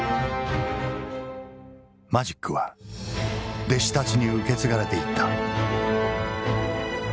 マジックは弟子たちに受け継がれていった。